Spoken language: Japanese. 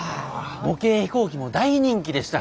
模型飛行機も大人気でした。